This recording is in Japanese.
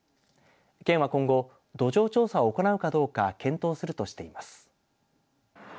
県は今後、土壌調査を行うかどうか検討するとしています。